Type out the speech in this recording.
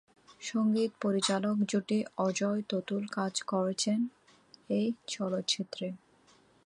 সঙ্গীত পরিচালক জুটি অজয়-অতুল কাজ করেছেন এই চলচ্চিত্রে।